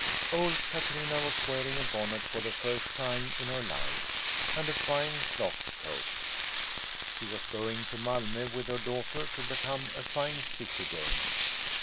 Old Katrina was wearing a bonnet for the first time in her life, and a fine cloth coat. She was going to Malmö with her daughter to become a fine city dame.